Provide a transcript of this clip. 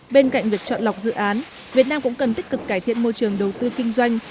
bên cạnh việc chọn lọc dự án việt nam cũng cần tích cực cải thiện môi trường đầu tư kinh doanh